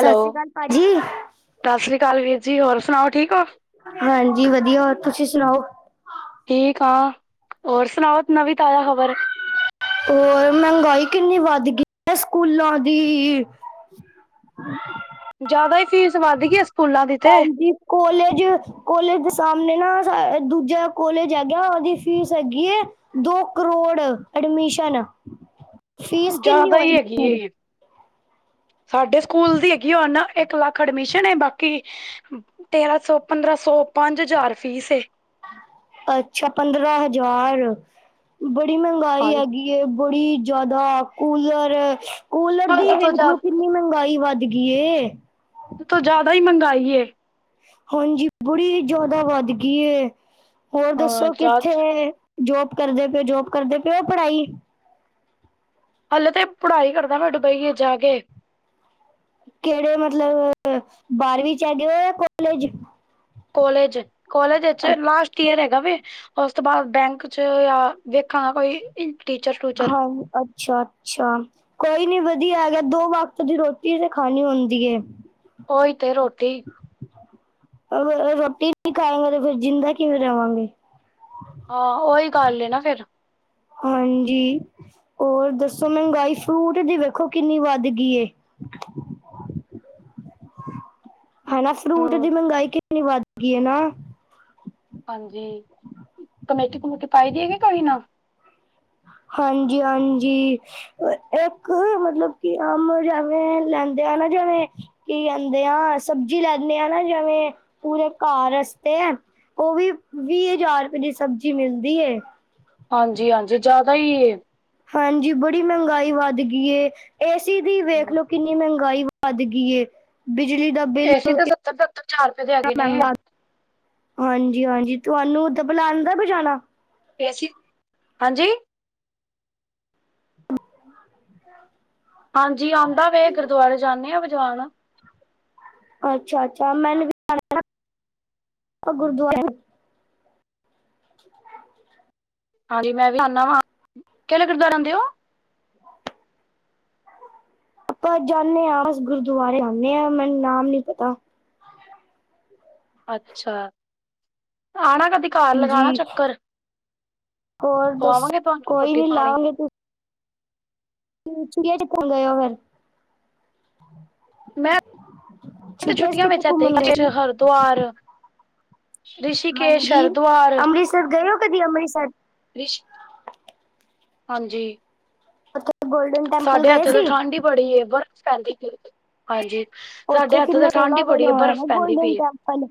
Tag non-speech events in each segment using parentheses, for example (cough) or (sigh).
ਸਤਿ ਸ਼੍ਰੀ ਅਕਾਲ ਭਾਜੀ। ਸਤਿ ਸ੍ਰੀ ਅਕਾਲ ਵੀਰ ਜੀ, ਹੋਰ ਸੁਣਾਓ ਠੀਕ ਹੋ। ਹਾਂਜੀ, ਵਧੀਆ ਹੋਰ ਤੁਸੀਂ ਸੁਣਾਓ। ਠੀਕ ਹਾਂ ਹੋਰ ਸੁਣਾਓ ਨਵੀਂ-ਤਾਜ਼ਾ ਖ਼ਬਰ। ਹੋਰ ਮਹਿੰਗਾਈ ਕਿੰਨੀ ਵੱਧ ਗਈ, ਸਕੂਲਾਂ ਦੀ। ਜਿਆਦਾ ਹੀ ਫੀਸ ਵੱਧ ਗਈ ਏ ਸਕੂਲਾਂ ਦੀ ਤੇ। ਕੋਲਜ ਕੋਲੇਜ ਦੇ ਸਾਹਮਣੇ ਨਾ ਦੂਜਾ ਕੋਲੇਜ ਹੈਗਾ, ਉਦੀ ਫੀਸ ਹੈਗੀ ਏ ਦੋ ਕਰੋੜ ਐਡਮਿਸ਼ਨ। ਫੀਸ ਕਿੰਨੀ ਜ਼ਿਆਦਾ ਹੀ ਹੋਏਗੀ ਹੈਗੀ ਫਿਰ ਏ। ਸਾਡੇ ਸਕੂਲ ਦੀ ਹੈਗੀ ਉਹ ਨਾ ਇੱਕ ਲੱਖ ਐਡਮਿਸ਼ਨ ਹੈ ਬਾਕੀ ਤੇਰਾਂ ਸੌ, ਪੰਦਰਾਂ ਸੌ, ਪੰਜ ਹਜ਼ਾਰ ਫੀਸ ਏ। ਅੱਛਾ, ਪੰਦਰਾਂ ਹਜ਼ਾਰ ਬੜੀ ਮਹਿੰਗਾਈ ਹਾਂਜੀ। ਹੈਗੀ। ਬੜੀ ਜਿਆਦਾ ਕੂਲਰ-ਕੂਲਰ ਦੀ ਹੱਦ ਤੋਂ ਵੇਖ ਲੋ ਜ਼ਿਆਦਾ, ਕਿੰਨੀ ਮਹਿੰਗਾਈ ਵੱਧ ਵੇ ਕੀ ਏ? ਉਦੇ ਤੋਂ ਜ਼ਿਆਦਾ ਹੀ ਮੰਗਾਈ ਏ ਹਾਂਜੀ, ਬੜੀ ਜ਼ਿਆਦਾ ਵੱਧ ਗੀ ਏ, ਹੋਰ ਹਾਂ ਦੱਸੋ ਜਾ ਕਿੱਥੇ? ਜੋਬ ਕਰਦੇ ਪਏੳ-ਜੋਬ ਕਰਦੇ ਪਏਓ ਜਾ ਪੜ੍ਹਾਈ। ਹਲੇੇ ਤੇ ਪੜ੍ਹਾਈ ਕਰਦਾ ਮੈਂ ਦੁਬਈ ਏ ਜਾ ਕੇ। ਕੇੜੇ ਮਤਲਬ ਬਾਰਵੀ ਚ ਹੈਗੇ ਓ ਯਾ ਕੋਲੇਜ? ਕੋਲੇਜ ਕੋਲੇਜ ਇਚ ਲਾਸਟ ਈਅਰ ਹੈਗਾ ਵੇ। ਉਸ ਤੋ ਬਾਦ ਬੈਂਕ ਚ ਯਾ ਵੇਖਾ ਗਾ ਕੋਈ। ਟੀਚਰ ਟੂਚਰ ਹ ਅਪ ਅੱਛਾ ਅੱਛਾ ਕੋਈ ਨੀ ਵਧੀਆ ਹੈਗਾ ਐ ਦੋ ਵਕਤ ਦੀ ਰੋਟੀ ਤੇ ਖਾਨੀ ਹੁੰਦੀ ਏ। ਓਇ ਤੇ ਰੋਟੀ ਅਗਰ ਰੋਟੀ ਨੀ ਖਾਵਾਗੇ ਤੇ ਫੇਰ ਜਿੰਦਾ ਕਿਵੇ ਰਵਾਂਗੇ? ਹਾਂ ਓਇ ਗੱਲ ਏ ਨਾ ਫੇਰ। ਹਾਂਜੀ। ਓਰ ਦੱਸੋ ਮੈਂਨਗਾਈ ਫਰੂਟ ਦੀ ਵੇਖੋ ਕਿੰਨੀ ਵੱਧ ਗੀ ਏ। ਹਨਾ ਫਰੂਟ ਹਮ ਦੀ ਮੈਂਗਾਈ ਕਿੰਨੀ ਵੱਧਗੀ ਐ ਨਾ। ਹਾਂਜੀ ਕਮੇਟੀ ਕਮੁਟੀ ਪਾਈ ਦੀ ਏ ਯਾ ਕੋਈ ਨਾ? ਹਾਂਜੀ ਹਾਂਜੀ। ਇੱਕ ਮਤਲਬ ਕਿ ਅਮ ਜੇਵੇ ਲੈਂਦੇ ਆ ਨਾ ਜੇਵੇ। ਕੀ ਕੇਂਦੇ ਆ ਸਬਜੀ ਲੈਨੇ ਆ ਨਾ ਜੇਵੇ ਪੂਰੇ ਘਾਰ ਅਸਤੇ। ਓਵੀ ਵੀ ਹਜਾਰ ਰੁਪੇ ਦੀ ਸਬਜੀ ਮਿਲਦੀ ਏ। ਹਾਂਜੀ ਹਾਂਜੀ ਜਾਦਾ ਈ ਏ ਹਾਂਜੀ ਬੜੀ ਮੈਂਗਾਈ ਵੱਧ ਗਈ ਏ ਏਸੀ ਦੀ ਵੇਖ ਹਮ ਲੋ ਕ ਕਿੰਨੀ ਮੈਂਗਾਈ ਵੱਧ ਗੀ ਏ ਬਿਜਲੀ ਦਾ ਬਿੱਲ ਏਸੀ ਤੇ ਸੱਤਰ ਸੱਤਰ ਚਾਰ ਰੁਪੇ ਦੇ ਕਿੰਨਾ ਹੈਗੇ ਨੇ। ਮਹਿੰਗਾ ਹਾਂਜੀ ਹਾਂਜੀ ਤੁਆਨੂੰ ਤਬਲਾ ਆਂਦਾ ਵਜਾਨਾ? ਕੇਸੀ ਹਾਂਜੀ। ਅ ਹਾਂਜੀ ਆਂਦਾ ਵੇ ਗੁਰਦੁਆਰੇ ਜਾਂਦੇ ਆ ਵਜਵਾਨ। ਅੱਛਾ ਅੱਛਾ ਮੈਨੂੰ (inaudible) ਗੁਰਦੁਆ (inaudible) ਹਾਂਜੀ ਮੈਂ ਵੀ ਆਨਾ ਵਾ ਕੇੜੇ ਗੁਰਦੁਆਰੇ ਆਂਦੇ ਓ? ਆਪਾ ਜਾਂਨੇ ਆ ਬਸ ਗੁਰਦੁਆਰੇ ਜਾਂਨੇ ਆ ਮਨੂੰ ਨਾਮ ਨੀ ਪਤਾ। ਅੱਛਾ ਆਣਾ ਕਦੀ। ਘਾਰ ਲਗਾਣਾ ਹਾਂਜੀ ਚੱਕਰ ਹੋਰ ਦੱਸੋ ਖੁਆਵਾਂਗੇ ਤੁਆਨੂੰ ਕੋਈ ਰੋਟੀ ਨੀ ਪਾਣੀ। ਚੁੜੀਆ ਦੇਖਨ ਗਏ ਓ ਫੇਰ? ਮੈਂ ਤੇ ਚ ਛੁੱਟੀਆਂ ਕਿੱਥੇ ਵਿੱਚ ਐਥੇ ਘੁੰਮਣ ਗਏ ਸੀ ਹਰਦੁਆਰ। ਰਿਸ਼ੀਕੇਸ਼ ਹਰਦੁਆਰ। ਸ ਗਏ ਓ ਕਦੀ ਗਏ ਓ ਅੰਮ੍ਰਿਤਸਰ? ਰਿਸ਼ ਹਾਂਜੀ। ਅੱਛਾ ਗੋਲਡਨ ਟੈਂਪਲ ਸਾਡੇ ਗਏ ਐਥੇ ਸੀ ਤੇ ਠੰਡ ਈ ਬੜੀ ਏ ਬਰਫ਼ ਪੈਂਦੀ ਪੀ। ਓਥੇ ਕਿੰਨਾ ਸੋਨਾ ਬੜੀ ਬਨਆ ਹੋਆ ਏ ਬਰਫ਼ ਨਾ ਪੈਂਦੀ ਗੋਲਡਨ ਪਈ ਏ ਟੈਂਪਲ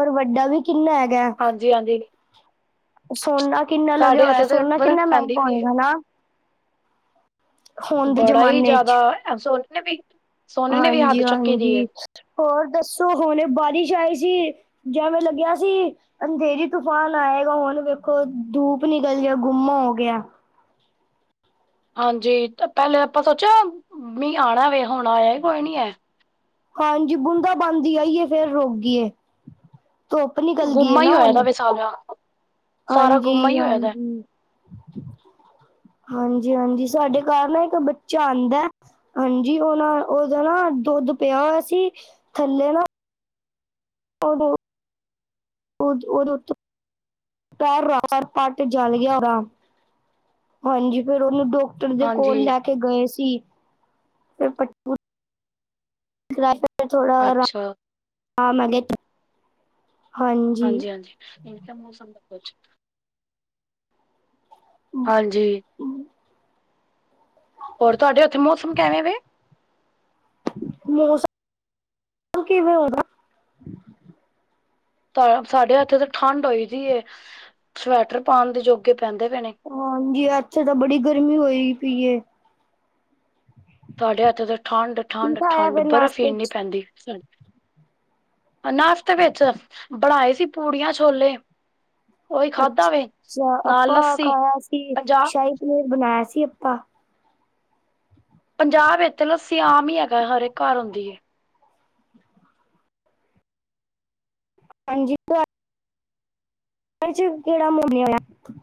ਓਰ ਵੱਡਾ ਵੀ। ਕਿੰਨਾ ਹੈਗਾ ਐ? ਹਾਂਜੀ ਹਾਂਜੀ। ਸੋਨਾ ਕਿੰਨਾ ਲੱਗਆ ਸਾਡੇ ਹੋਆ ਇੱਥੇ ਤੇ ਸੋਨਾ ਬਰਫ਼ ਕਿੰਨਾ ਪੈਂਦੀ ਮੈਂਗਾ ਪਈ ਏ ਹੋਏਗਾ ਨਾ। ਹੁਣ ਦੇ ਬੜਾ ਈ ਜ਼ਮਾਨੇ ਚ ਜਾਦਾ ਐ ਸੋਨੇ ਨੇ ਵੀ ਸੋਨੇ ਨੇ ਵੀ ਹੱਦ ਚੱਕੀ ਦੀ ਏ। ਹਾਂਜੀ-ਹਾਂਜੀ, ਹੋਰ ਦੱਸੋ ਹੁਨੇ ਬਾਰਿਸ਼ ਆਈ ਸੀ ਜੇਵੇ ਲੱਗਆ ਸੀ ਅੰਧੇਰੀ ਤੂਫਾਨ ਆਏਗਾ ਹੁਨ ਵੇਖੋ ਧੂਪ ਨਿਕਲ ਗਆ ਗੁੰਮਾ ਹੋ ਗਆ। ਹਾਂਜੀ ਤੇ ਪੈਲੇ ਆਪਾ ਸੋਚਆ ਮੀ ਆਣਾ ਵੇ ਹੁਣ ਆਆ ਕੋਈ ਨੀ ਹੈ। ਹਾਂਜੀ ਬੂੰਦਾ ਬਾਂਦੀ ਆਈਏ ਫੇਰ ਰੋਕ ਗਈਏ, ਧੁੱਪ ਨਿਕਲ ਗਈਏ ਨਾ ਹੁਣ। ਸਾਰਿਆਂ ਹਾਂਜੀ -ਹਾਂਜੀ! ਹਾਂਜੀ- ਹਾਂਜੀ ਸਾਡੇ ਘਰ ਨਾ ਇੱਕ ਬੱਚਾ ਆਉਂਦਾ ਹਾਂਜੀ ਉਹ ਨਾ ਉਹਦਾ ਨਾ ਦੁੱਧ ਪਿਆ ਹੋਇਆ ਸੀ ਥੱਲੇ ਨਾ ਓਹੋ। ਉਹਦੇ ਉੱਤੇ ਪੈਰ ਰੱਖ ਪਟ ਜਲ ਗਿਆ ਓਹਦਾ। ਹਾਂਜੀ ਫੇਰ ਉਹਨੂੰ ਡਾਕਟਰ ਦੇ ਹਾਂਜੀ ਕੋਲ ਲੈ ਕੇ ਗਏ ਸੀ। ਫਿਰ ਕਿਿ (unintelligible) ਰ ਥੋੜੀ ਅੱਛਾ। ਹਾਂ ਮੈਂ ਗਈ ਸੀ। ਹਾਂਜੀ -ਹਾਂਜੀ ਇ ਮੌਸਮ ਦਾ ਕੁਛ ਹਾਂਜੀ। ਹੋਰ ਤੁਹਾਡੇ ਉੱਥੇ ਮੌਸਮ ਕਿਵੇਂ ਵੇ? ਮੌਸਮ ਕਿਵੇਂ ਉਹਦਾ? ਤਾਂ ਸਾਡੇ ਐਥੇ ਤਾਂ ਠੰਢ ਹੋਈ ਦੀਏ, ਸਵੈਟਰ ਪਾਉਣ ਦੇ ਜੋਗੇ ਪੈਂਦੇ ਪਏ ਨੇ। ਹਾਂਜੀ ਐਥੇ ਤਾਂ ਬੜੀ ਗਰਮੀ ਹੋਏ ਪਈ ਏ। ਸਾਡੇ ਐਥੇ ਤਾਂ ਠੰਡ- ਕੀ ਠੰਢ- ਖਾਇਆ ਠੰਢ ਫਿਰ ਬਰਫ਼ ਹੀ ਨਾਸ਼ਤੇ ਇੰਨੀ 'ਚ ਪੈਂਦੀ ਪਈਏ। ਨਾਸ਼ਤੇ ਵਿੱਚ ਬਣਾਏ ਸੀ ਪੂੜੀਆਂ ਛੋਲੇ। ਉਹੀ ਅੱ ਖਾਧਾ ਵੇ ਅੱਛਾ ਨਾਲ ਆਪਾ ਲੱਸੀ ਖਾਇਆ ਸੀ ਪੰਜਾਹ ਸ਼ਾਹੀ ਪਨੀਰ ਬਣਾਇਆ ਸੀ ਆਪਾਂ। ਪੰਜਾਬ ਇਚ ਲਸੀ ਆਮ ਹੀ ਹੈਗਾ, ਹਰ ਇੱਕ ਘਰ ਹੁੰਦੀ ਏ। ਹਾਂਜੀ। ਚ ਕਿਹੜਾ ਮੋੜੇਾ (unintelligible)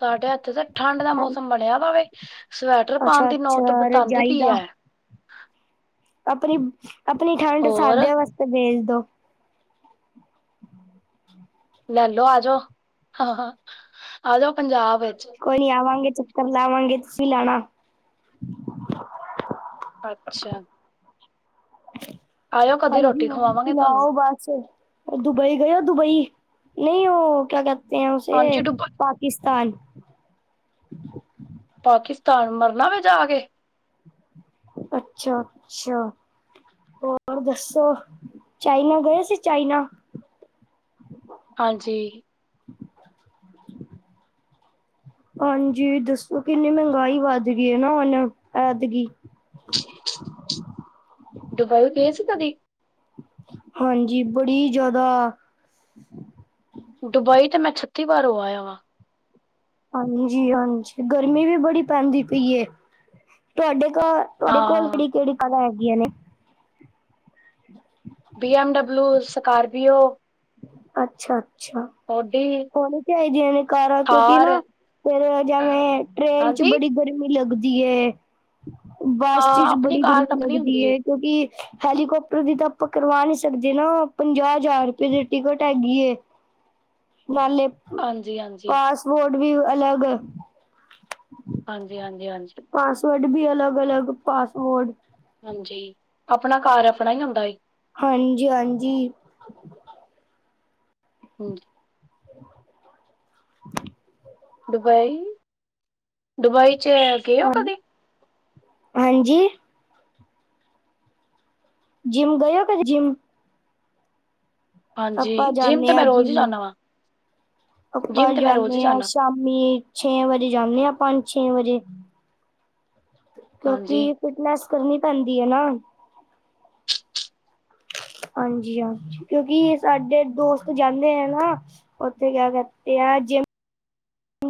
ਸਾਡੇ ਹੱਥੇ ਤਾਂ ਠੰਢ ਦਾ ਮੌਸਮ ਬਣਿਆ ਵਾਵੇ, ਸਵੈਟਰ ਪਾਉਣ ਅੱਛਾ ਦੀ ਨੌਤ ਅੱਛਾ ਬਿਤਾਉਂਦੀ ਰਜਾਈ ਪਈ ਦਾ ਹੈ। ਆਪਣੀ -ਆਪਣੀ ਠੰਡ ਹੋਰ ਸਾਡੇ ਵਾਸਤੇ ਭੇਜ ਦੋ। ਹਮ- ਹਮ! ਲੈਲੋ ਆ ਜਾਓ, ਹ ਆ ਜਾਓ ਪੰਜਾਬ ਵਿੱਚ। ਕੋਈ ਨੀ ਆਵਾਂਗੇ, ਚੱਕਰ ਲਾਵਾਂਗੇ, ਤੁਸੀਂ ਲਾਣਾ। ਅੱਛਾ। ਆਇਓ ਕਦੀ ਹਾਂਜੀ ਰੋਟੀ ਹੋਰ ਖਵਾਵਾਂਗੇ ਤੁਹਾਨੂੰ ਸੁਣਾਓ? ਬਸ। ਦੁਬਈ ਗਏ ਹੋ ਦੁਬਈ? ਨਹੀਂ ਉਹ ਕਿਆ ਕਹਿਤੇ ਹੈ ਹਾਂਜੀ ਉੇਸੇ ਡੁੱਬਾ ਪਾਕਿਸਤਾਨ। ਪਾਕਿਸਤਾਨ ਮਰਨਾ ਵ ਜਾ ਕੇ। ਅੱਛਾ -ਅੱਛਾ! ਹੋਰ ਦੱਸੋ ਚਾਈਨਾ ਗਏ ਸੀ ਚਾਈਨਾ? ਹਾਂਜੀ। ਹਾਂਜੀ ਦੱਸੋ ਕਿੰਨੀ ਮਹਿੰਗਾਈ ਵੱਧ ਗਈ ਹੈ ਨਾ, ਉਹਨ ਐਦਗੀਈ। ਦੁਬਾਈ ਗਏ ਸੀ ਕਦੀ? ਹਾਂਜੀ ਬੜੀ ਜਿਆਦਾ। ਦੁਬਈ ਤੇ ਮੈਂ ਛੱਤੀ ਵਾਰ ਹੋ ਆਇਆ ਵਾਂ। ਹਾਂਜੀ- ਹਾਂਜੀ ਗਰਮੀ ਵੀ ਬੜੀ ਪੈਂਦੀ ਪਈ ਏ, ਤੁਹਾਡੇ ਘਰ ਤੁਹਾਡੇ ਕੋਲ ਹਾਂ, ਕਿਹੜੀ- ਕਿਹੜੀ ਕਲਾ ਹੈਗੀਆਂ ਨੇ। ਹ ਬੀ ਐਮ ਡਬਲੂ, ਸਕਾਰਬੀਓ। ਅੱਛਾ -ਅੱਛਾ ਔਡੀ, ਹੋਣੀ ਚਾਹੀਦੀਆ ਨੇ ਕਾਰਾਂ। ਕਿਉਂਕਿ ਥਾਰ ਨਾ ਫਿਰ ਜਿਵੇਂ ਟ੍ਰੇਨ ਚ ਹਾਂਜੀ, ਬੜੀ ਗਰਮੀ ਲੱਗਦੀਏ। ਹਾਂ ਬਾਸ ਚ ਚ ਆਪਣੀ ਬੜੀ ਕਾਰ ਗਰਮੀ ਆਪਣੀ ਲੱਗਦੀ ਹੁੰਦੀ ਏ, ਕਿਉਂਕਿ ਹੈਲੀਕਾਪਟਰ ਦੀ ਤਾਂ ਆਪਾਂ ਕਰਵਾ ਨੀ ਸਕਦੇ ਨਾ ਪੰਜਾਹ ਹਜ਼ਾਰ ਰੁਪਈਏ ਟਿਕਟ ਹੈਗੀ ਏ ਨਾਲੇ ਹਾਂਜੀ-ਹਾਂਜੀ, ਪਾਸ ਵੋਡ ਵੀ ਅਲੱਗ ਹਾਂਜੀ- ਹਾਂਜੀ- ਹਾਂਜੀ ਪਾਸਵਰਡ ਵੀ ਅਲੱਗ- ਅਲੱਗ ਪਾਸਵਰਡ ਹਾਂਜੀ, ਅਪਨਾ ਘਰ ਆਪਣਾ ਇ ਹੁੰਦਾ ਵੇ। ਹਾਂਜੀ- ਹਾਂਜੀ ਹੋਰ (unintelligible) ਦੁਬਈ, ਦੁਬਈ ਚ ਗਏ ਓ ਕਦੀ? ਹਾਂਜੀ। ਜਿਮ ਗਏ ਓ ਕਦੀ ਜਿਮ? ਹਾਂਜੀ, ਅਪਾਂ ਜਿੰਮ ਜਾਂਨੇ ਤੇ ਆ ਮੈਂ ਰੋਜ਼ ਹੀ ਜਿੰਮ ਜਾਨਾ ਵਾਂ। ਅਪਾਂ ਜਿੰਮ ਤੇ ਮੈਂ ਰੋਜ਼ ਹੀ ਜਾਂਨੇ ਆ ਜਾਨਾ। ਸ਼ਾਮ ਮੀ ਛੇ ਵਜੇ ਜਾਂਨੇ ਆ ਪੰਜ ਛੇ ਵਜੇ ਹਾਂਜੀ, ਕਿਉਂਕਿ ਫਿਟਨੈਸ ਕਰਨੀ ਪੈਂਦੀ ਐ ਨਾ ਹੁਨ। ਹਾਂਜੀ, ਹਾਂ ਕਿਉਂਕਿ ਸਾਡੇ ਦੋਸਤ ਜਾਂਦੇ ਹ ਨਾ। ਉੱਥੇ ਕਿਆ ਕਰਦੇ ਆ ਜਿਵੇ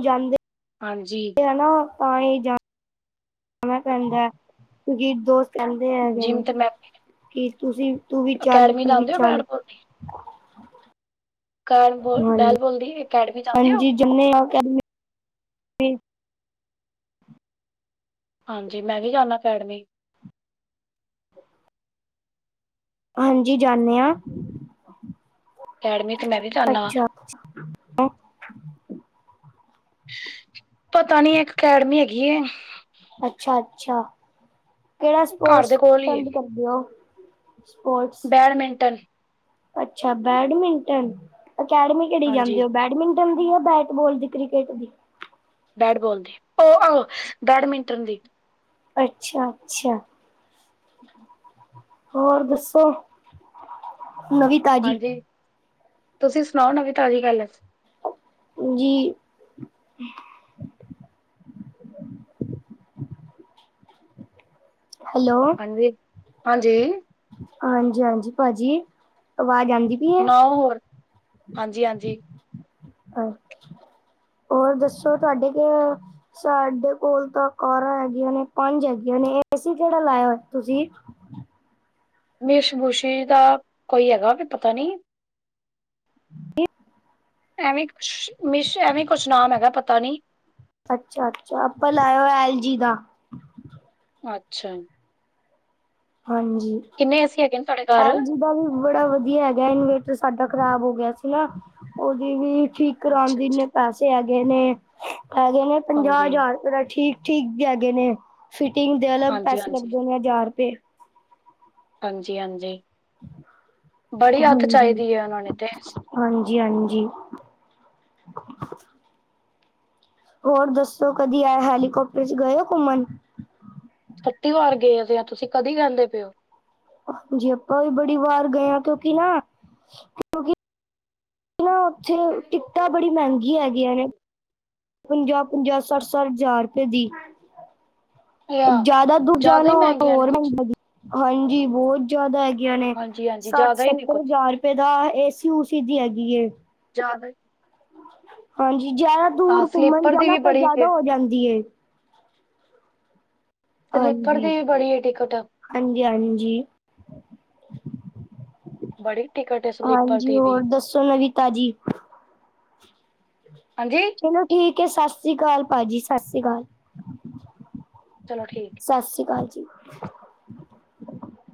ਜਾਂਦੇ ਹਾਂਜੀ। ਚਲੋ ਓਵੀ ਜਾਨਾ ਇ ਪੈਂਦਾ ਕਿਉਂਕਿ ਦੋਸਤ ਕਹਿੰਦੇ ਹੈਗੇ ਜਿੰਮ ਨੇ ਤੇ ਮੈਂ ਕੀ ਤੁਸੀ ਤੂੰ ਵੀ ਚੱਲ, ਅਕੈਡਮੀ ਤੂੰ ਵੀ ਜਾਂਦੇ ਹੋ ਚੱਲ ਬੈਟਬੋਲ ਕਰਨ ਬੋਲ ਬੈਲ ਬੋਲ ਦੀ ਅਕੈਡਮੀ ਜਾਂਦੇ ਓ। ਕਿੰਨੀ ਅਕੈਡਮੀ ਜਾ ਹਾਂਜੀ ਮੈਂ ਵੀ ਜਾਨਾ ਅਕੈਡਮੀ ਹਾਂਜੀ, ਜਾਂਨੇ ਹਾਂ। ਅਕੈਡਮੀ ਤੇ ਮੈਂ ਵੀ ਜਾਨਾ ਵਾਂ। (unintelligible) ਪਤਾ ਨੀ ਇੱਕ ਅਕੈਡਮੀ ਹੈਗੀ ਏ। ਅੱਛਾ, ਅੱਛਾ ਕੇੜਾ ਘਰ ਸਪੋਰਟਸ ਦੇ ਕੋਲ ਹੀ ਪਸੰਦ ਹੈਗੀ ਕਰਦੇ ਓ? Sport badminton. ਅੱਛਾ, ਬੈਡਮਿੰਟਨ ਅਕੈਡਮੀ ਕੇੜੀ ਹਾਂਜੀ ਜਾਂਦੇ ਓ ਬੈਡਮਿੰਟਨ ਦੀ ਆ ਬੈਟ ਬੋਲ ਦੀ ਕ੍ਰਿਕਟ ਦੀ ਬੈਟ ਬੋਲ ਦੀ ਓ ਓਹ ਬੈਡਮਿੰਟਨ ਦੀ ਅੱਛਾ ਅੱਛਾ। ਹੋਰ ਦੱਸੋ ਨਵੀਂ ਤਾਜ਼ੀ ਹਾਂਜੀ ਤੁਸੀਂ ਸੁਣਾਓ ਨਵੀ ਤਾਜ਼ੀ ਗੱਲ। ਜੀ। ਹੈਲੋ। ਹਾਂਜੀ। ਹਾਂਜੀ -ਹਾਂਜੀ ਭਾਜੀ ਆਵਾਜ਼ ਆਨਦੀ? ਸੁਣਾਓ ਹੋਰ ਹਾਂਜੀ- ਹਾਂਜੀ। ਅ ਹੋਰ ਦੱਸੋ ਤੁਹਾਡੇ ਕੋ ਸਾਡੇ ਕੋਲ ਤਾਂ ਕਾਰਾਂ ਹੈਗੀਆਂ ਨੇ ਪੰਜ ਹੈਗੀਆਂ ਨੇ ਏਸੀ ਕੇੜਾ ਲਾਇਆ ਤੁਸੀਂ? ਮੇਸ਼ਮੂਸ਼ੀ ਦਾ ਕੋਈ ਹੈਗਾ ਵੀ ਪਤਾ ਨਹੀ ਏਹ ਐਵੇਂ ਕੁਛ ਮਿਸ਼ ਐਵੇਂ ਕੁਛ ਨਾਮ ਹੈਗਾ ਪਤਾ ਨੀ ਅੱਛਾ ਅੱਛਾ ਆਪਾਂ ਲਾਇਆ ਹੋਇਆ ਅਲ ਜੀ ਦਾ। ਅੱਛਾ ਜੀ। ਹਾਂਜੀ। ਕਿੰਨੇ ਏ ਸੀ ਹੈਗੇ ਨੇ ਤੁਹਾਡੇ ਘਰ ਐਲ ਜੀ ਦਾ ਵੀ ਬੜਾ ਵਧੀਆ ਹੈਗਾ ਇਨਵੇਰਟਰ ਸਾਡਾ ਖ਼ਰਾਬ ਹੋ ਗਿਆ ਸੀ ਨਾ ਉਹਦੀ ਵੀ ਠੀਕ ਕਰਾਉਣ ਅੱਛਾ ਦੀ ਅੱਛਾ ਇਨੇ ਪੈਸੇ ਹੈਗੇ ਨੇ ਹੈਗੇ ਨੇ ਪੰਜਾਹ ਹਾਂਜੀ ਹਜ਼ਾਰ ਰੁਪਏ ਦਾ ਠੀਕ ਠੀਕ ਹੈਗੇ ਨੇ ਫਿਟਿੰਗ ਦੇ ਅਲੱਗ ਹਾਂਜੀ ਪੈਸੇ ਹਾਂਜੀ ਲੱਗਦੇ ਨੇ ਹਜ਼ਾਰ ਰੁਪਏ। ਹਾਂਜੀ ਹਾਂਜੀ ਬੜੀ ਅੱਤ ਹਾਂਜੀ ਚਾਹੀਦੀ ਹੈ ਉਹਨਾ ਨੇ ਤੇ ਹਾਂਜੀ ਹਾਂਜੀ। ਹੋਰ ਦੱਸੋ ਕਦੀ ਆ ਹੈਲੀਕਾਪਟਰ ਚ ਗਏ ਹੋ ਘੁੰਮਣ ਛੱਟੀ ਵਾਰ ਗਏ ਤੇ ਆ ਤੁਸੀਂ ਕਦੀ ਕਹਿੰਦੇ ਪ ਹੋ ਹਾਂਜੀ ਆਪਾਂ ਵੀ ਬੜੀ ਵਾਰ ਗਏ ਹ ਕਿਉਕਿ ਨਾ ਕਿਉਂਕਿ ਨਾ ਉੱਥੇ ਟਿਕਟਾਂ ਬੜੀ ਮਹਿੰਗੀ ਹੈਗੀਆਂ ਨੇ ਪੰਜਾਹ ਪੰਜਾਹ ਸੱਠ ਸੱਠ ਹਜ਼ਾਰ ਰੁਪਏ ਦੀ ਯਾ ਜਿਆਦਾ ਦੂਰ ਜ਼ਿਆਦਾ ਜਾਣਾ ਹੀ ਹੋ ਤਾਂ ਮਹਿੰਗੀਆਂ ਨੇ ਹੋਰ ਕੁਛ ਮਹਿੰ ਹਾਂਜੀ ਬਹੁਤ ਜ਼ਿਆਦਾ ਹੈਗੀਆਂ ਨੇ ਹਾਂਜੀ ਹਾਂਜੀ ਸੱਠ ਜ਼ਿਆਦਾ ਹੀ ਨੇ ਸੱਤਰ ਕੁਛ ਹਜ਼ਾਰ ਰੁਪਏ ਦਾ ਏਸੀ ਔਸੀ ਸੀ ਦੀ ਹੈਗੀ ਏ ਜ਼ਿਆਦਾ ਹਾਂਜੀ ਜਿਆਦਾ ਹਾਂ ਦੂਰ ਘੁੰਮਣ ਸਲੀਪਰ ਦੀ ਜਾਓ ਵੀ ਤਾਂ ਬੜੀ ਹੈ, ਜ਼ਿਆਦਾ ਹੋ ਜਾਂਦੀ ਲ ਉਥਰ ਹਾਂਜੀ ਦੇ ਬੜੀ ਗਏ ਟਿਕਟ ਹਾਂਜੀ ਹਾਂਜੀ ਬੜੀ ਟਿਕਟ ਏ ਸਲੀਪਰ ਹਾਂਜੀ ਦੀ ਹੋਰ ਵੀ ਦੱਸੋ ਨਵੀ ਤਾਜੀ ਹਾਂਜੀ ਚਲੋ ਠੀਕ ਹੈ ਸਤਿ ਸ਼੍ਰੀ ਅਕਾਲ ਭਾਜੀ ਸਤਿ ਸ੍ਰੀ ਅਕਾਲ ਚਲੋ ਠੀਕ ਸਤਿ ਸ਼੍ਰੀ ਅਕਾਲ ਜੀ